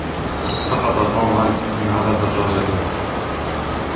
سقط توم من على دراجته.